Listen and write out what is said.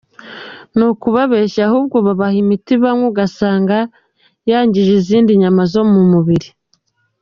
Ni ukubabeshya ahubwo babaha imiti banywa ugasanga yangije izindi nyama zo mu mubiri.